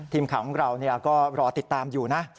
ทีมข่าวของเราก็รอติดตามอยู่นะ